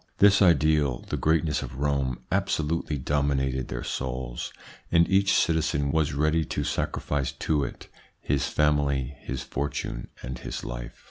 This ideal the greatness of Rome absolutely dominated their souls, and each citizen was ready to sacrifice to it his family, his fortune, and his life.